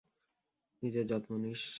নিজের যত্ন নিস।